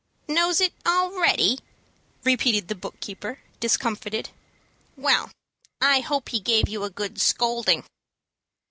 "Knows it already," repeated the book keeper, discomfited. "Well, I hope he gave you a good scolding."